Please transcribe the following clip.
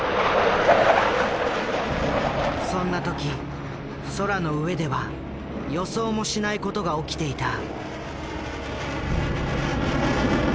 そんな時空の上では予想もしない事が起きていた。